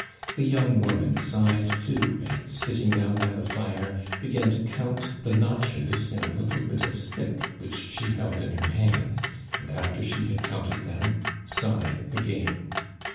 The young woman sighed too; and, sitting down by the fire, began to count the notches in a little bit of stick, which she held in her hand; and, after she had counted them, sighed again.